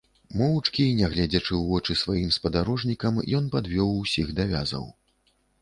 Моўчкі і не гледзячы ў вочы сваім спадарожнікам, ён падвёў усіх да вязаў.